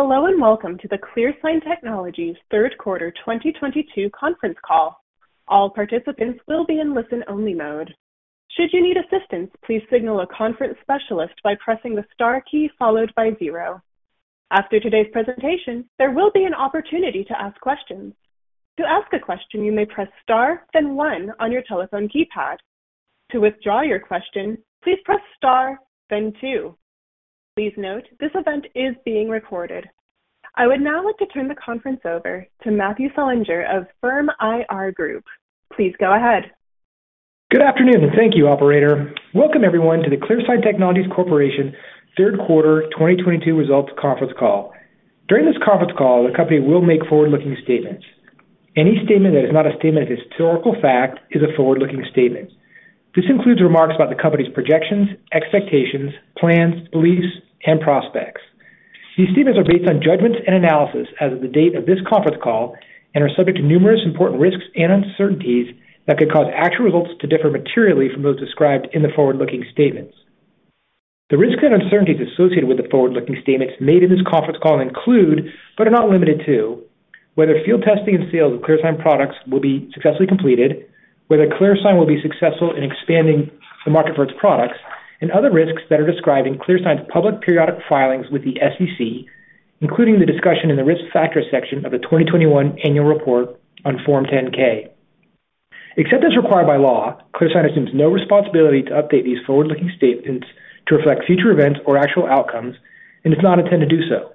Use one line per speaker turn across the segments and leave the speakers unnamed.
Hello, welcome to the ClearSign Technologies 3rd quarter 2022 conference call. All participants will be in listen-only mode. Should you need assistance, please signal a conference specialist by pressing the star key followed by 0. After today's presentation, there will be an opportunity to ask questions. To ask a question, you may press star then 1 on your telephone keypad. To withdraw your question, please press star then 2. Please note this event is being recorded. I would now like to turn the conference over to Matthew Selinger of Firm IR Group. Please go ahead.
Good afternoon. Thank you, operator. Welcome everyone to the ClearSign Technologies Corporation Q3 2022 results conference call. During this conference call, the company will make forward-looking statements. Any statement that is not a statement of historical fact is a forward-looking statement. This includes remarks about the company's projections, expectations, plans, beliefs, and prospects. These statements are based on judgments and analysis as of the date of this conference call and are subject to numerous important risks and uncertainties that could cause actual results to differ materially from those described in the forward-looking statements. The risks and uncertainties associated with the forward-looking statements made in this conference call include, but are not limited to, whether field testing and sales of ClearSign products will be successfully completed, whether ClearSign will be successful in expanding the market for its products, and other risks that are described in ClearSign's public periodic filings with the SEC, including the discussion in the Risk Factors section of the 2021 annual report on Form 10-K. Except as required by law, ClearSign assumes no responsibility to update these forward-looking statements to reflect future events or actual outcomes and does not intend to do so.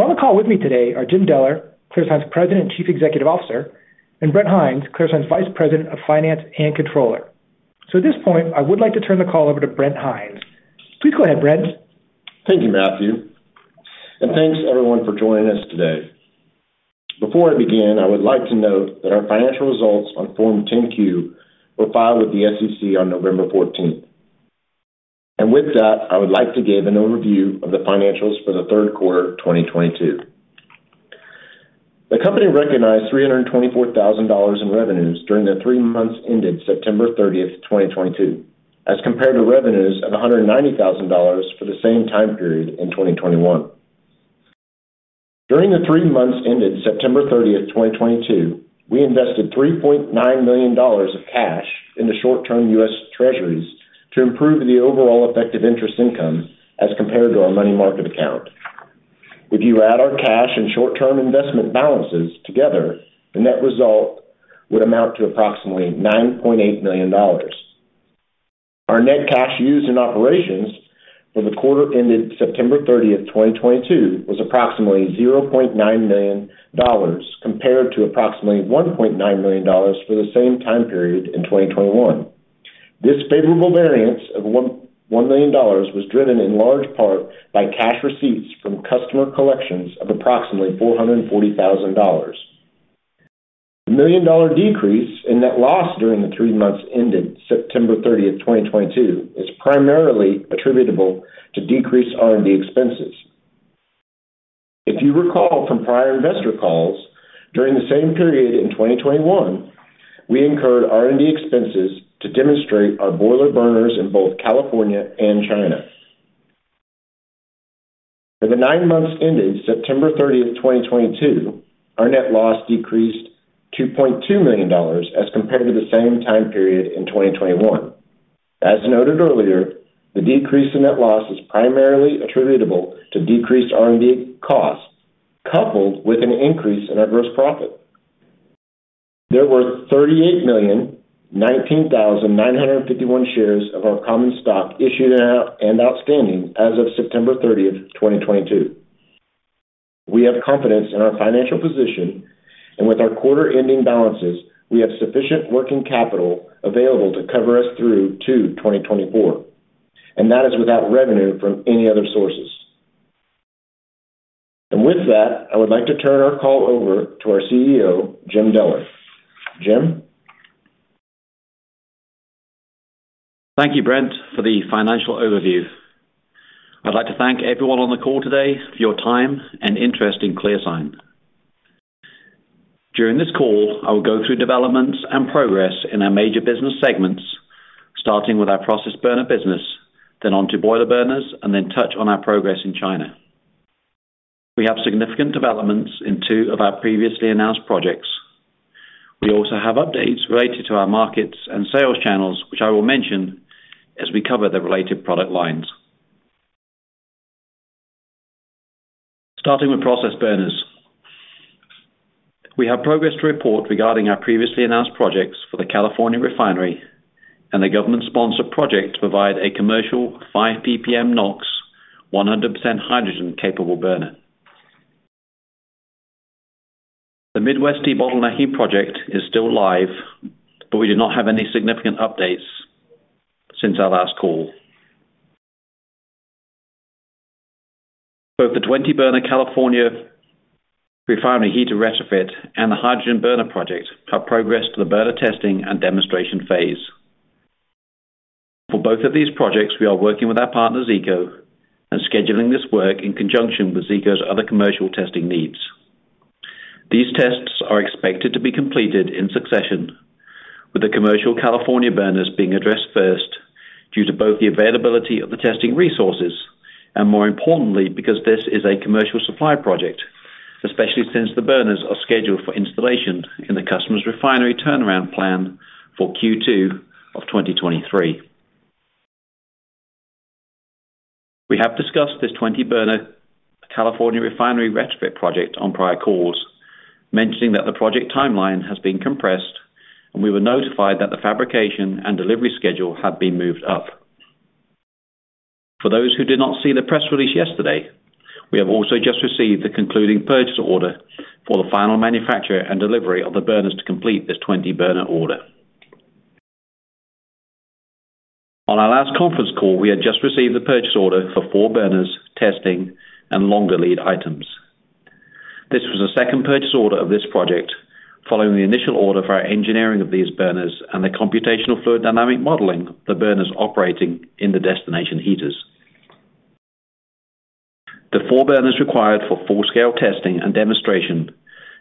On the call with me today are Jim Deller, ClearSign's President and Chief Executive Officer, and Brent Hinds, ClearSign's Vice President of Finance and Controller. At this point, I would like to turn the call over to Brent Hinds. Please go ahead, Brent.
Thank you, Matthew. Thanks everyone for joining us today. Before I begin, I would like to note that our financial results on Form 10-Q were filed with the SEC on November 14th. With that, I would like to give an overview of the financials for the Q3 2022. The company recognized $324,000 in revenues during the three months ended 30 September 2022, as compared to revenues of $190,000 for the same time period in 2021. During the three months ended 30 September 2022, we invested $3.9 million of cash into short-term U.S. Treasuries to improve the overall effective interest income as compared to our money market account. If you add our cash and short-term investment balances together, the net result would amount to approximately $9.8 million. Our net cash used in operations for the quarter ended 30 September 2022, was approximately $0.9 million compared to approximately $1.9 million for the same time period in 2021. This favorable variance of $1.1 million was driven in large part by cash receipts from customer collections of approximately $440,000. The $1 million decrease in net loss during the 3 months ended 30 September 2022, is primarily attributable to decreased R&D expenses. If you recall from prior investor calls, during the same period in 2021, we incurred R&D expenses to demonstrate our boiler burners in both California and China. For the 9 months ended 30 September 2022, our net loss decreased $2.2 million as compared to the same time period in 2021. As noted earlier, the decrease in net loss is primarily attributable to decreased R&D costs coupled with an increase in our gross profit. There were 38,019,951 shares of our common stock issued and out, and outstanding as of 30 September 2022. We have confidence in our financial position, and with our quarter ending balances, we have sufficient working capital available to cover us through to 2024, and that is without revenue from any other sources. With that, I would like to turn our call over to our CEO, Jim Deller. Jim.
Thank you, Brent, for the financial overview. I'd like to thank everyone on the call today for your time and interest in ClearSign. During this call, I will go through developments and progress in our major business segments, starting with our process burner business, then onto boiler burners, and then touch on our progress in China. We have significant developments in 2 of our previously announced projects. We also have updates related to our markets and sales channels, which I will mention as we cover the related product lines. Starting with process burners. We have progress to report regarding our previously announced projects for the California refinery and the government-sponsored project to provide a commercial 5 PPM NOx 100% hydrogen-capable burner. The Midwest debottlenecking project is still live, but we do not have any significant updates since our last call. Both the 20-burner California refinery heater retrofit and the hydrogen burner project have progressed to the burner testing and demonstration phase. For both of these projects, we are working with our partner, Zeeco, and scheduling this work in conjunction with Zeeco's other commercial testing needs. These tests are expected to be completed in succession, with the commercial California burners being addressed first, due to both the availability of the testing resources and more importantly, because this is a commercial supply project, especially since the burners are scheduled for installation in the customer's refinery turnaround plan for Q2 of 2023. We have discussed this 20-burner California refinery retrofit project on prior calls, mentioning that the project timeline has been compressed and we were notified that the fabrication and delivery schedule had been moved up. For those who did not see the press release yesterday, we have also just received the concluding purchase order for the final manufacture and delivery of the burners to complete this 20-burner order. On our last conference call, we had just received the purchase order for 4 burners, testing, and longer lead items. This was the second purchase order of this project following the initial order for our engineering of these burners and the computational fluid dynamic modeling the burners operating in the destination heaters. The 4 burners required for full-scale testing and demonstration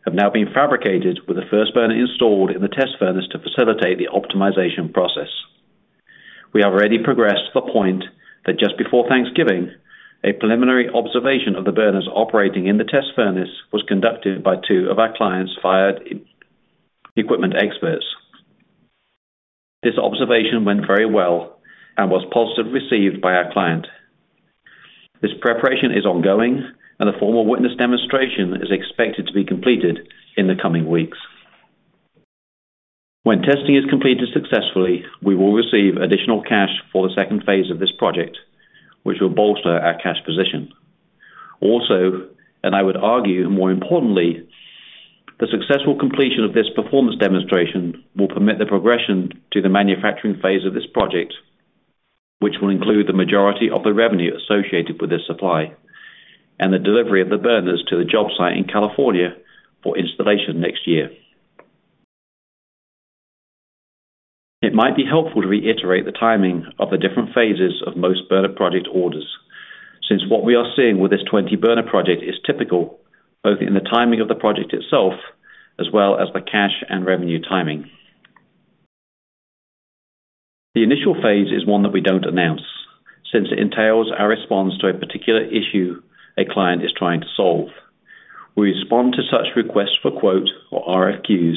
have now been fabricated with the first burner installed in the test furnace to facilitate the optimization process. We have already progressed to the point that just before Thanksgiving, a preliminary observation of the burners operating in the test furnace was conducted by 2 of our clients fired equipment experts. This observation went very well and was positively received by our client. This preparation is ongoing and the formal witness demonstration is expected to be completed in the coming weeks. When testing is completed successfully, we will receive additional cash for the second phase of this project, which will bolster our cash position. Also, I would argue more importantly, the successful completion of this performance demonstration will permit the progression to the manufacturing phase of this project, which will include the majority of the revenue associated with this supply and the delivery of the burners to the job site in California for installation next year. It might be helpful to reiterate the timing of the different phases of most burner project orders, since what we are seeing with this 20-burner project is typical both in the timing of the project itself as well as the cash and revenue timing. The initial phase is one that we don't announce since it entails our response to a particular issue a client is trying to solve. We respond to such requests for quotes or RFQs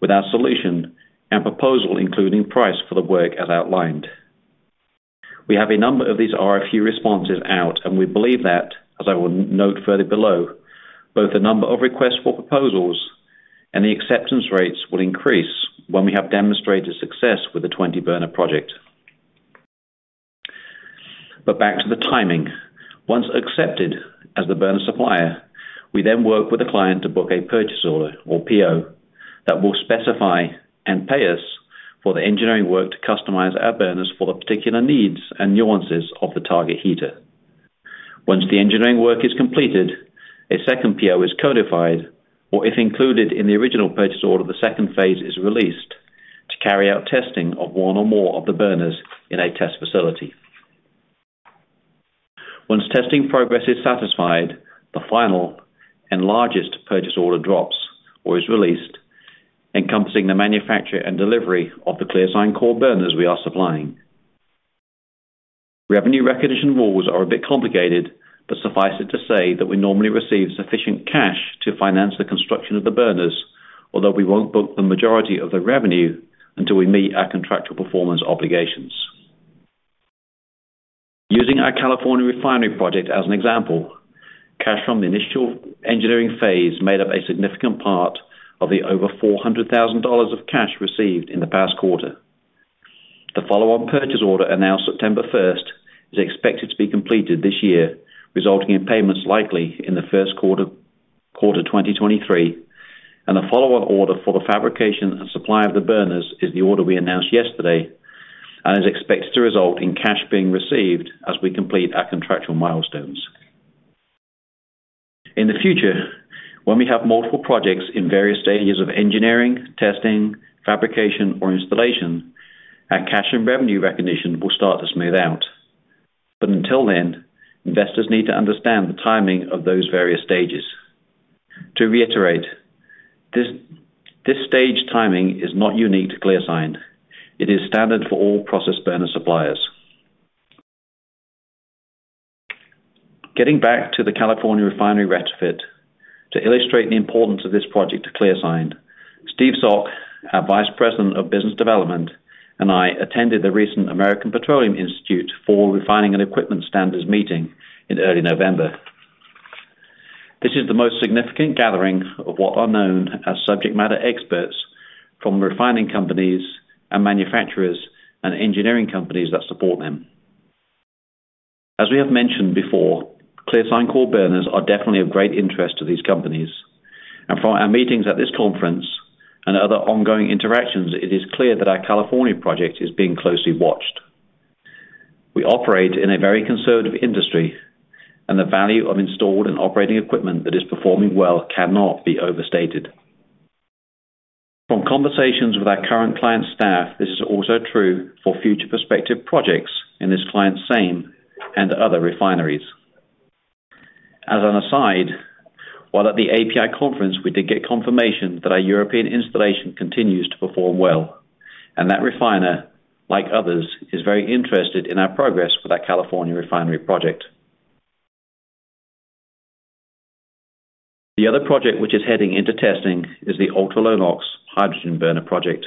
with our solution and proposal, including price for the work as outlined. We have a number of these RFQ responses out, and we believe that, as I will note further below, both the number of requests for proposals and the acceptance rates will increase when we have demonstrated success with the 20-burner project. Back to the timing. Once accepted as the burner supplier, we then work with the client to book a purchase order or PO that will specify and pay us for the engineering work to customize our burners for the particular needs and nuances of the target heater. Once the engineering work is completed, a second PO is codified or if included in the original purchase order, the second phase is released to carry out testing of one or more of the burners in a test facility. Once testing progress is satisfied, the final and largest purchase order drops or is released, encompassing the manufacture and delivery of the ClearSign Core burners we are supplying. Revenue recognition rules are a bit complicated but suffice it to say that we normally receive sufficient cash to finance the construction of the burners although we won't book the majority of the revenue until we meet our contractual performance obligations. Using our California refinery project as an example, cash from the initial engineering phase made up a significant part of the over $400,000 of cash received in the past quarter. The follow-on purchase order announced September 1st is expected to be completed this year, resulting in payments likely in the Q1, Q1 2023. The follow-on order for the fabrication and supply of the burners is the order we announced yesterday and is expected to result in cash being received as we complete our contractual milestones. In the future, when we have multiple projects in various stages of engineering, testing, fabrication or installation our cash and revenue recognition will start to smooth out. Until then, investors need to understand the timing of those various stages. To reiterate, this stage timing is not unique to ClearSign. It is standard for all process burner suppliers. Getting back to the California refinery retrofit, to illustrate the importance of this project to ClearSign, Steve Sock, our Vice President of Business Development, and I attended the recent American Petroleum Institute Fall Refining and Equipment Standards meeting in early November. This is the most significant gathering of what are known as subject matter experts from refining companies and manufacturers and engineering companies that support them. As we have mentioned before, ClearSign Core burners are definitely of great interest to these companies. From our meetings at this conference and other ongoing interactions it is clear that our California project is being closely watched. We operate in a very conservative industry and the value of installed and operating equipment that is performing well cannot be overstated. From conversations with our current client staff, this is also true for future prospective projects in this client's same and other refineries. As an aside, while at the API conference, we did get confirmation that our European installation continues to perform well, and that refiner, like others, is very interested in our progress with our California refinery project. The other project which is heading into testing is the ultra-low NOx hydrogen burner project.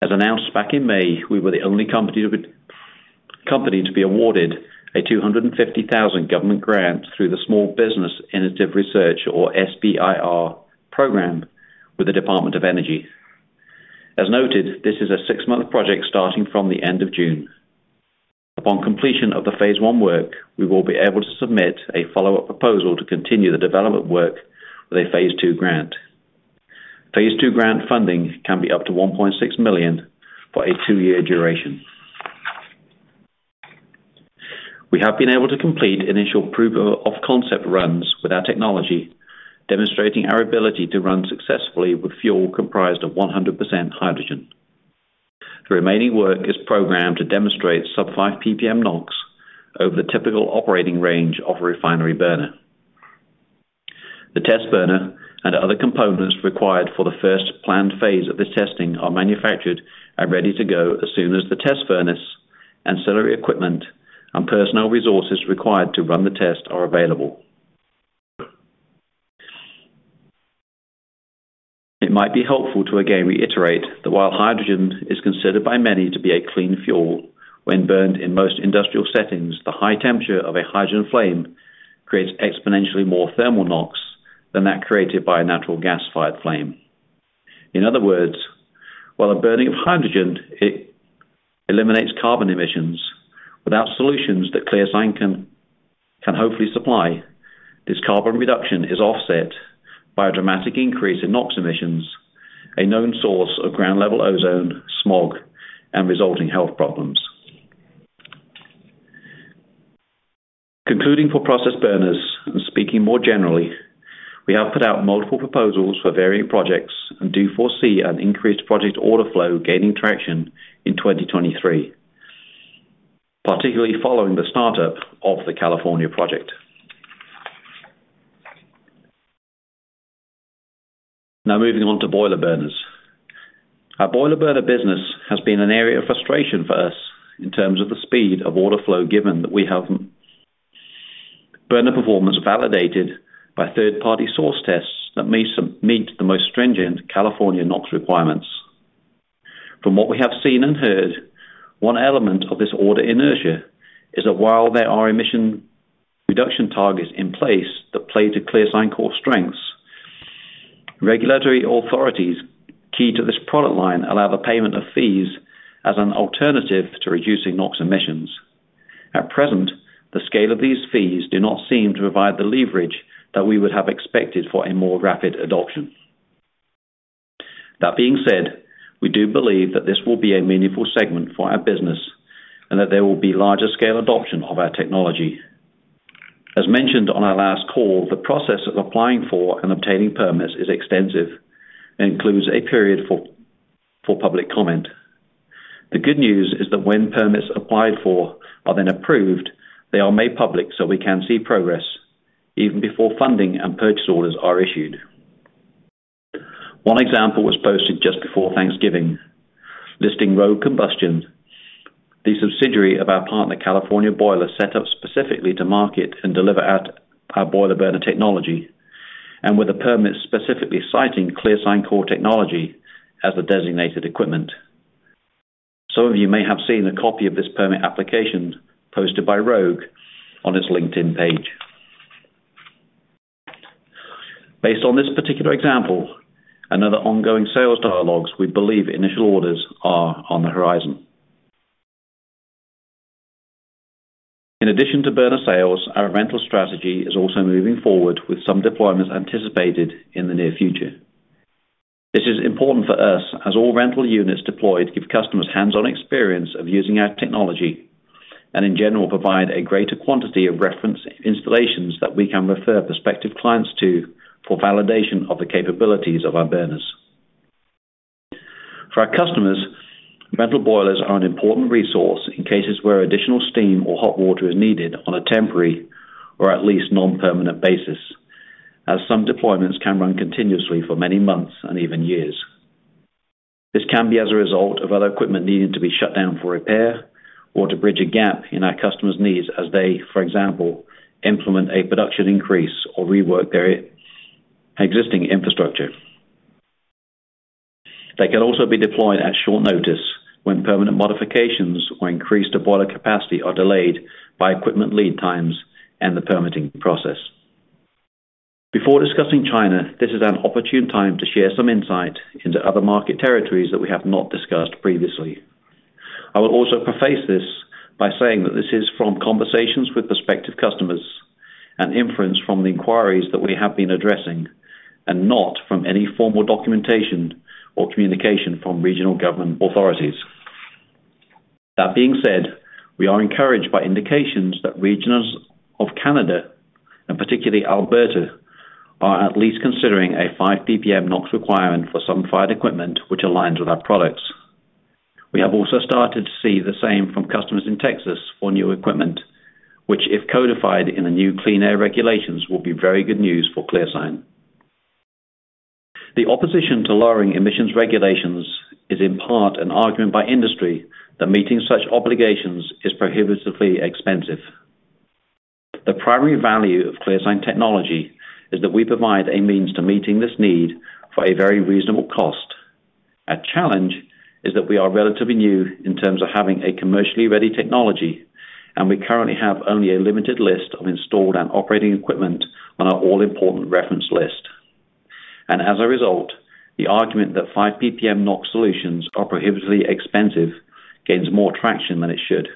As announced back in May, we were the only company to be awarded a $250,000 government grant through the Small Business Innovation Research, or SBIR program with the Department of Energy. As noted, this is a 6-month project starting from the end of June. Upon completion of the Phase 1 work, we will be able to submit a follow-up proposal to continue the development work with a Phase 2 grant. Phase 2 grant funding can be up to $1.6 million for a 2-year duration. We have been able to complete initial proof of concept runs with our technology, demonstrating our ability to run successfully with fuel comprised of 100% hydrogen. The remaining work is programmed to demonstrate sub 5 PPM NOx over the typical operating range of a refinery burner. The test burner and other components required for the first planned phase of this testing are manufactured and ready to go as soon as the test furnace, ancillary equipment, and personnel resources required to run the test are available. It might be helpful to again reiterate that while hydrogen is considered by many to be a clean fuel, when burned in most industrial settings, the high temperature of a hydrogen flame creates exponentially more thermal NOx than that created by a natural gas-fired flame. In other words, while the burning of hydrogen, it eliminates carbon emissions, without solutions that ClearSign can hopefully supply, this carbon reduction is offset by a dramatic increase in NOx emissions, a known source of ground-level ozone, smog, and resulting health problems. Concluding for process burners and speaking more generally, we have put out multiple proposals for varying projects and do foresee an increased project order flow gaining traction in 2023, particularly following the startup of the California project. Now moving on to boiler burners. Our boiler burner business has been an area of frustration for us in terms of the speed of order flow, given that we have burner performance validated by third-party source tests that may meet the most stringent California NOx requirements. From what we have seen and heard, one element of this order inertia is that while there are emission reduction targets in place that play to ClearSign Core strengths, regulatory authorities key to this product line allow the payment of fees as an alternative to reducing NOx emissions. At present, the scale of these fees do not seem to provide the leverage that we would have expected for a more rapid adoption. That being said, we do believe that this will be a meaningful segment for our business and that there will be larger scale adoption of our technology. As mentioned on our last call, the process of applying for and obtaining permits is extensive and includes a period for public comment. The good news is that when permits applied for are then approved, they are made public, so we can see progress even before funding and purchase orders are issued. One example was posted just before Thanksgiving, listing Rogue Combustion, the subsidiary of our partner California Boiler, set up specifically to market and deliver our boiler burner technology, and with a permit specifically citing ClearSign Core technology as the designated equipment. Some of you may have seen a copy of this permit application posted by Rogue on its LinkedIn page. Based on this particular example and other ongoing sales dialogues, we believe initial orders are on the horizon. In addition to burner sales, our rental strategy is also moving forward with some deployments anticipated in the near future. This is important for us as all rental units deployed give customers hands-on experience of using our technology and, in general, provide a greater quantity of reference installations that we can refer prospective clients to for validation of the capabilities of our burners. For our customers, rental boilers are an important resource in cases where additional steam or hot water is needed on a temporary or at least non-permanent basis, as some deployments can run continuously for many months and even years. This can be as a result of other equipment needing to be shut down for repair or to bridge a gap in our customers' needs as they, for example, implement a production increase or rework their existing infrastructure. They can also be deployed at short notice when permanent modifications or increased boiler capacity are delayed by equipment lead times and the permitting process. Before discussing China, this is an opportune time to share some insight into other market territories that we have not discussed previously. I will also preface this by saying that this is from conversations with prospective customers and inference from the inquiries that we have been addressing, and not from any formal documentation or communication from regional government authorities. That being said, we are encouraged by indications that regions of Canada, and particularly Alberta, are at least considering a 5 PPM NOx requirement for some fired equipment which aligns with our products. We have also started to see the same from customers in Texas for new equipment, which if codified in the new clean air regulations, will be very good news for ClearSign. The opposition to lowering emissions regulations is in part an argument by industry that meeting such obligations is prohibitively expensive. The primary value of ClearSign technology is that we provide a means to meeting this need for a very reasonable cost. Our challenge is that we are relatively new in terms of having a commercially ready technology, and we currently have only a limited list of installed and operating equipment on our all-important reference list. As a result, the argument that 5 PPM NOx solutions are prohibitively expensive gains more traction than it should.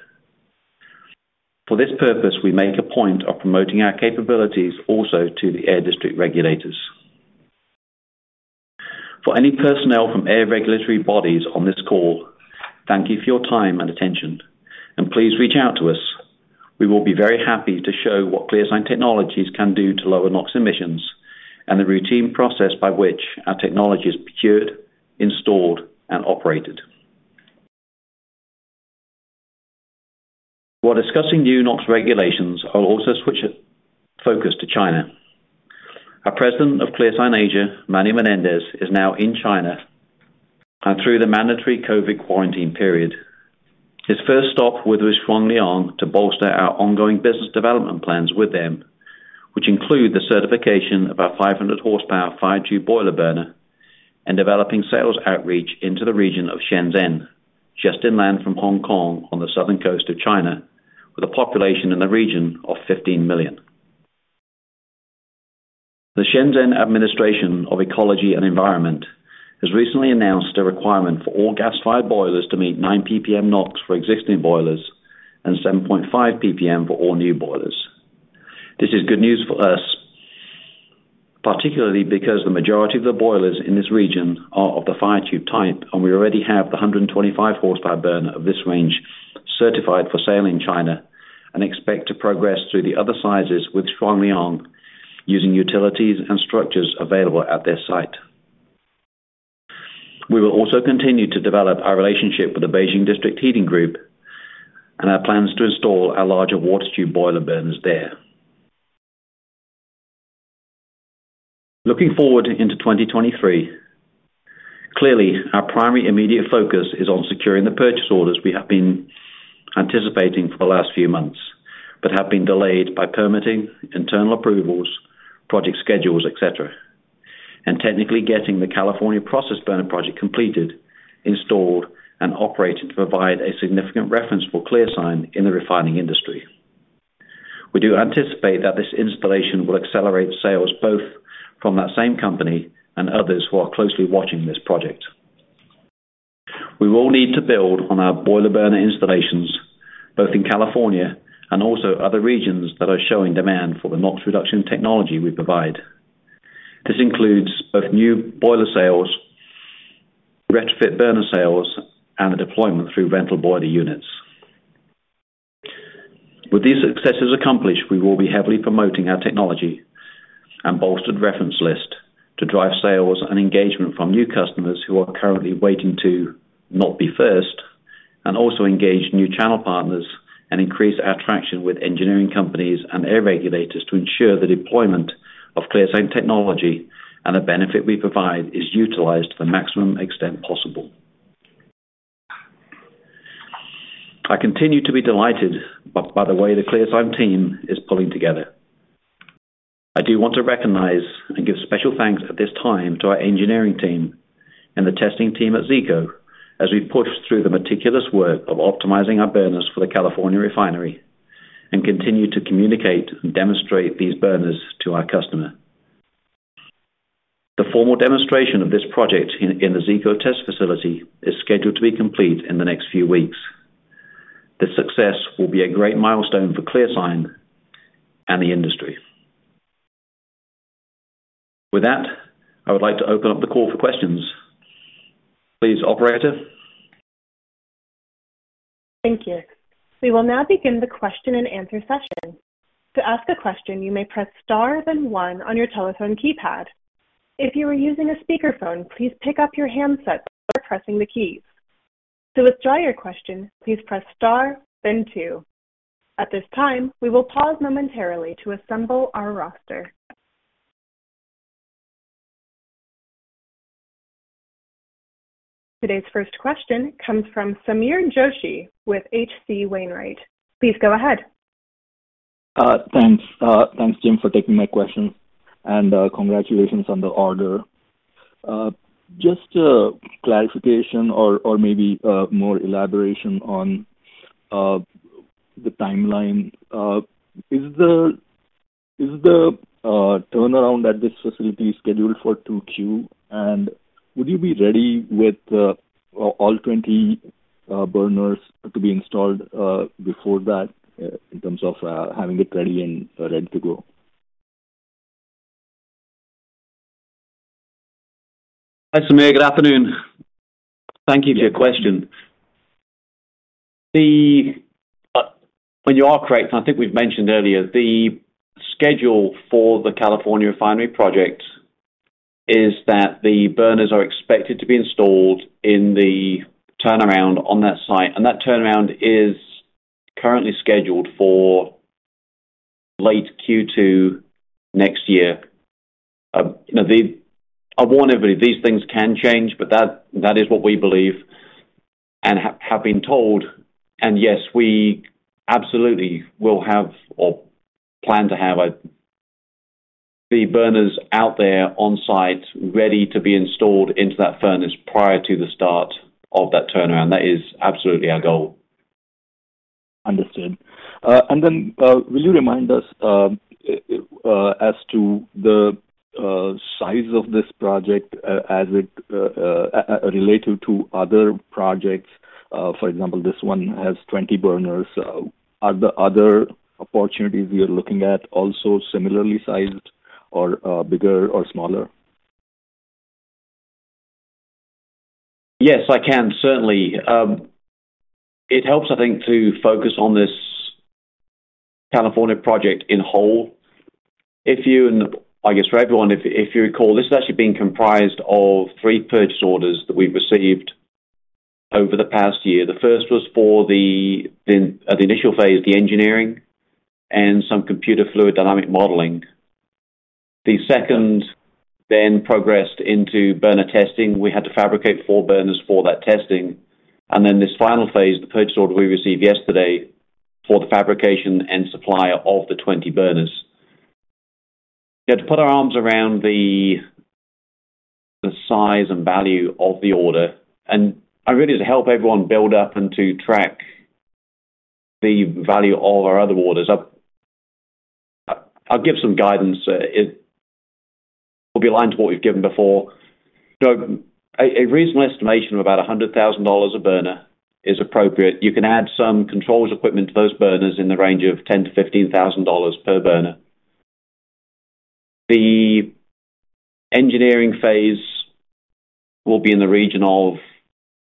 For this purpose, we make a point of promoting our capabilities also to the air district regulators. For any personnel from air regulatory bodies on this call, thank you for your time and attention, and please reach out to us. We will be very happy to show what ClearSign Technologies can do to lower NOx emissions and the routine process by which our technology is procured, installed, and operated. While discussing new NOx regulations, I'll also switch focus to China. Our President of ClearSign Asia, Manny Menendez, is now in China and through the mandatory COVID quarantine period. His first stop was with Shuangliang to bolster our ongoing business development plans with them, which include the certification of our 500-horsepower fire-tube boiler burner and developing sales outreach into the region of Shenzhen, just inland from Hong Kong on the southern coast of China, with a population in the region of 15 million. The Shenzhen Administration of Ecology and Environment has recently announced a requirement for all gas-fired boilers to meet 9 PPM NOx for existing boilers and 7.5 PPM for all new boilers. This is good news for us, particularly because the majority of the boilers in this region are of the fire-tube type, and we already have the 125-horsepower burner of this range certified for sale in China and expect to progress through the other sizes with Shuangliang using utilities and structures available at their site. We will also continue to develop our relationship with the Beijing District Heating Group and our plans to install our larger water-tube boiler burners there. Looking forward into 2023, clearly our primary immediate focus is on securing the purchase orders we have been anticipating for the last few months, but have been delayed by permitting, internal approvals, project schedules, et cetera. Technically getting the California process burner project completed, installed, and operated to provide a significant reference for ClearSign in the refining industry. We do anticipate that this installation will accelerate sales both from that same company and others who are closely watching this project. We will need to build on our boiler burner installations both in California and also other regions that are showing demand for the NOx reduction technology we provide. This includes both new boiler sales, retrofit burner sales, and the deployment through rental boiler units. With these successes accomplished, we will be heavily promoting our technology and bolstered reference list to drive sales and engagement from new customers who are currently waiting to not be first and also engage new channel partners and increase our traction with engineering companies and air regulators to ensure the deployment of ClearSign technology and the benefit we provide is utilized to the maximum extent possible. I continue to be delighted by the way the ClearSign team is pulling together. I do want to recognize and give special thanks at this time to our engineering team and the testing team at Zeeco as we push through the meticulous work of optimizing our burners for the California refinery and continue to communicate and demonstrate these burners to our customer. The formal demonstration of this project in the Zeeco test facility is scheduled to be complete in the next few weeks. This success will be a great milestone for ClearSign and the industry. With that, I would like to open up the call for questions. Please, operator.
Thank you. We will now begin the question-and-answer session. To ask a question, you may press star then one on your telephone keypad. If you are using a speakerphone, please pick up your handset before pressing the keys. To withdraw your question, please press star then two. At this time, we will pause momentarily to assemble our roster. Today's first question comes from Sameer Joshi with H.C. Wainwright. Please go ahead.
Thanks. Thanks, Jim, for taking my question. Congratulations on the order. Just a clarification or maybe, more elaboration on the timeline. Is the turnaround at this facility scheduled for 2Q? Would you be ready with all 20 burners to be installed before that in terms of having it ready and ready to go?
Thanks, Sameer. Good afternoon. Thank you for your question. Well, you are correct, and I think we've mentioned earlier, the schedule for the California refinery project is that the burners are expected to be installed in the turnaround on that site, and that turnaround is currently scheduled for late Q2 next year. You know, I warn everybody, these things can change, but that is what we believe and have been told. Yes, we absolutely will have or plan to have the burners out there on-site, ready to be installed into that furnace prior to the start of that turnaround. That is absolutely our goal.
Understood. Will you remind us as to the size of this project as it related to other projects? For example, this one has 20 burners. Are the other opportunities we are looking at also similarly sized or bigger or smaller?
Yes, I can, certainly. It helps, I think, to focus on this California project in whole. If you, and I guess for everyone, if you recall, this has actually been comprised of 3 purchase orders that we've received over the past year. The first was for the initial phase, the engineering, and some computational fluid dynamics modeling. The second progressed into burner testing. We had to fabricate 4 burners for that testing. This final phase, the purchase order we received yesterday for the fabrication and supply of the 20 burners. To put our arms around the size and value of the order, and really to help everyone build up and to track the value of our other orders, I'll give some guidance. It will be aligned to what we've given before. A reasonable estimation of about $100,000 a burner is appropriate. You can add some controls equipment to those burners in the range of $10,000 to 15,000 per burner. The engineering phase will be in the region of,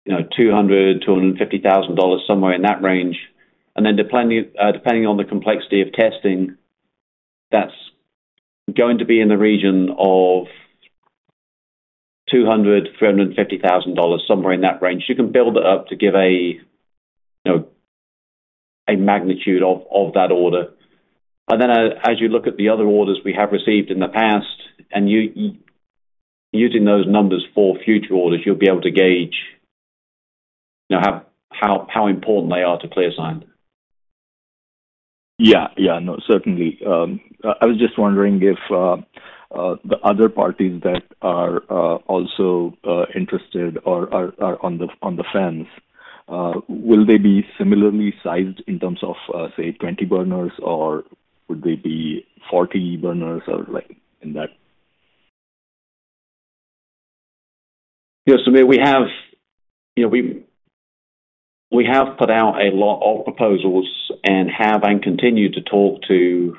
you know, $200,000 to 250,000, somewhere in that range. Then depending on the complexity of testing, that's going to be in the region of $200,000 to 350,000, somewhere in that range. You can build it up to give a, you know, a magnitude of that order. Then as you look at the other orders we have received in the past and using those numbers for future orders, you'll be able to gauge, you know, how important they are to ClearSign.
Yeah. Yeah. No, certainly. I was just wondering if the other parties that are also interested or are on the, on the fence, will they be similarly sized in terms of, say, 20 burners, or would they be 40 burners or like in that?
Yes, Sameer. We have, you know, we have put out a lot of proposals and continue to talk to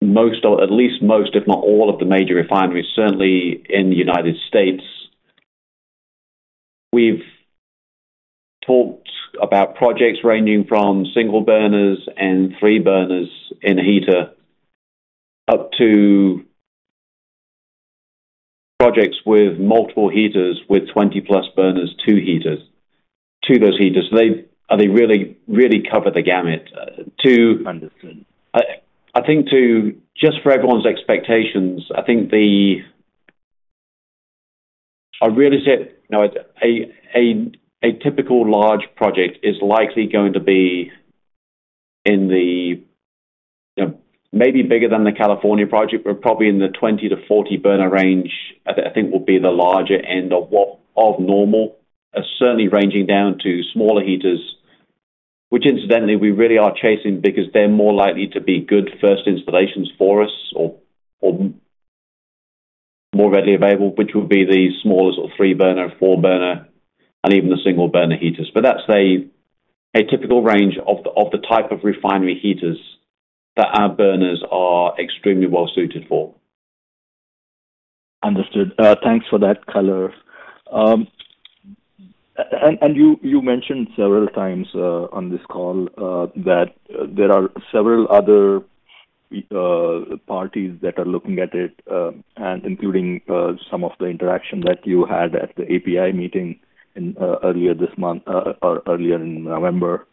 most, or at least most, if not all, of the major refineries, certainly in the United States. We've talked about projects ranging from 1 burner and 3 burners in a heater, up to projects with multiple heaters with 20-plus burners, 2 heaters. To those heaters, they really, really cover the gamut.
Understood.
I think to just for everyone's expectations, I think a realistic, you know, a typical large project is likely going to be in the, you know, maybe bigger than the California project, but probably in the 20-40 burner range, I think will be the larger end of what of normal. Certainly, ranging down to smaller heaters, which incidentally, we really are chasing because they're more likely to be good first installations for us or more readily available, which would be the smaller sort of 3 burner, 4 burner, and even the 1 burner heaters. That's a typical range of the type of refinery heaters that our burners are extremely well suited for.
Understood. Thanks for that color. And you mentioned several times on this call that there are several other parties that are looking at it, and including some of the interaction that you had at the API meeting in earlier this month, or earlier in November.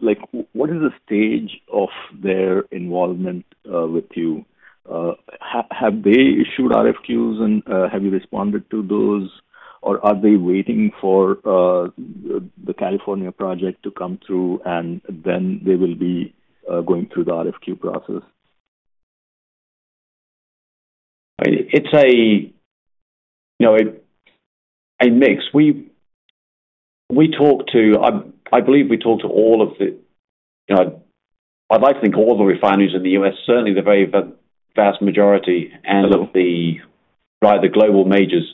Like what is the stage of their involvement with you? Have they issued RFQs and have you responded to those? Are they waiting for the California project to come through and then they will be going through the RFQ process?
It's a, you know, a mix. I believe we talk to all of the, you know. I'd like to think all the refineries in the U.S., certainly the very vast majority and of the, right, the global majors.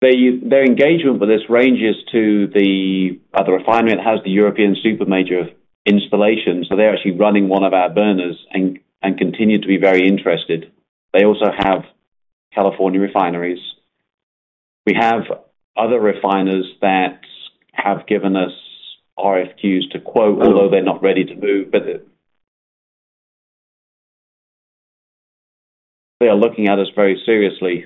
Their engagement with this ranges to the refinement has the European super major installation, so they're actually running one of our burners and continue to be very interested. They also have California refineries. We have other refiners that have given us RFQs to quote, although they're not ready to move, but they are looking at us very seriously.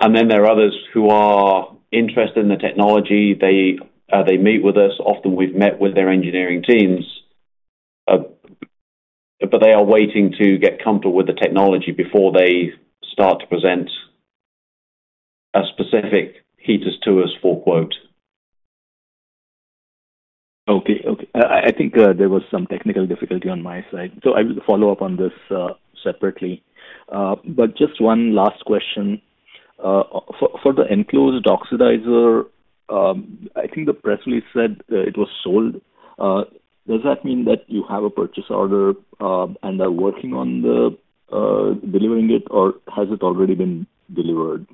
There are others who are interested in the technology. They meet with us. Often we've met with their engineering teams, but they are waiting to get comfortable with the technology before they start to present a specific heaters to us for quote.
Okay. I think there was some technical difficulty on my side, I will follow up on this separately. Just one last question. For the enclosed oxidizer, I think the press release said it was sold. Does that mean that you have a purchase order and are working on the delivering it, or has it already been delivered?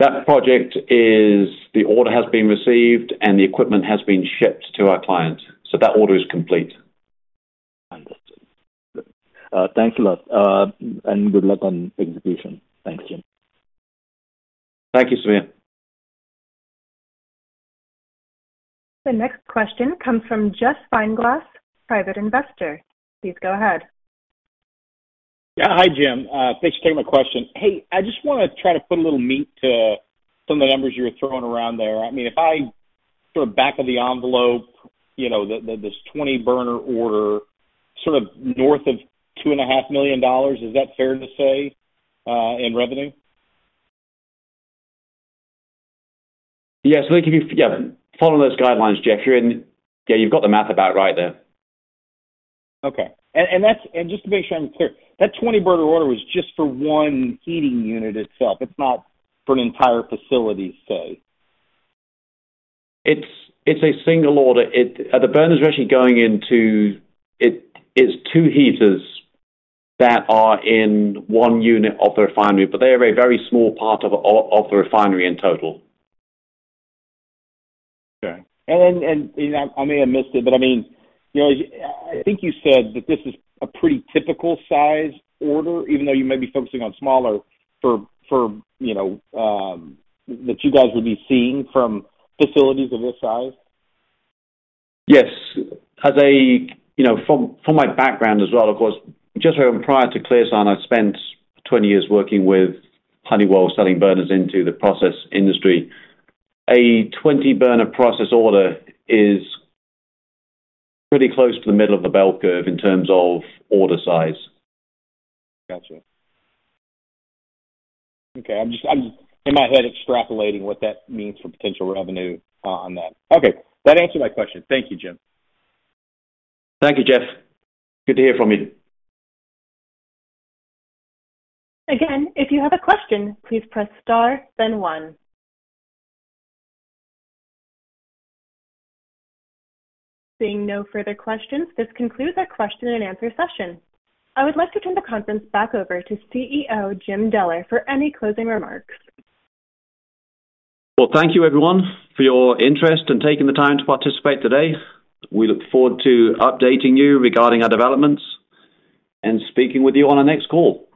The order has been received, and the equipment has been shipped to our client. That order is complete.
Understood. Thanks a lot. Good luck on execution. Thanks, Jim.
Thank you, Sameer.
The next question comes from Jeff Feinberg, private investor. Please go ahead.
Yeah. Hi, Jim. Thanks for taking my question. Hey, I just wanna try to put a little meat to some of the numbers you're throwing around there. I mean, if I sort of back of the envelope, you know, the this 20 burner order sort of north of two and a half million dollars, is that fair to say, in revenue?
Yeah. they give you. Yeah. Follow those guidelines, Jeff. You're in. Yeah. You've got the math about right there.
Okay. Just to make sure I'm clear, that 20 burner order was just for one heating unit itself. It's not for an entire facility, say.
It's a single order. The burners are actually going into. It's two heaters that are in one unit of the refinery, but they are a very small part of the refinery in total.
Okay. you know, I may have missed it, but I mean, you know, I think you said that this is a pretty typical size order even though you may be focusing on smaller for, you know, that you guys would be seeing from facilities of this size.
Yes. You know, from my background as well, of course, just prior to ClearSign, I spent 20 years working with Honeywell selling burners into the process industry. A 20-burner process order is pretty close to the middle of the bell curve in terms of order size.
Gotcha. Okay. I'm just in my head extrapolating what that means for potential revenue on that. Okay, that answered my question. Thank you, Jim.
Thank you, Jeff. Good to hear from you.
Again, if you have a question, please press star then 1. Seeing no further questions, this concludes our question-and-answer session. I would like to turn the conference back over to CEO, Jim Deller, for any closing remarks.
Well, thank you everyone for your interest and taking the time to participate today. We look forward to updating you regarding our developments and speaking with you on our next call.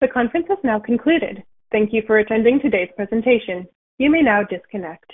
The conference has now concluded. Thank you for attending today's presentation. You may now disconnect.